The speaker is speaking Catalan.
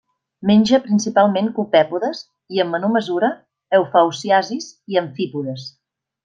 Menja principalment copèpodes i, en menor mesura, eufausiacis i amfípodes.